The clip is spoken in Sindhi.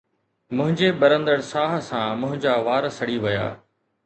منهنجي ٻرندڙ ساهه سان منهنجا وار سڙي ويا